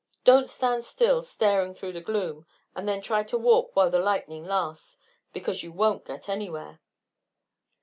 Don't stand still, staring through the gloom, and then try to walk while the lightning lasts, because you won't get anywhere."